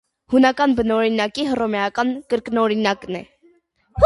Հունական բնօրինակի հռոմեական կրկնօրինակն է։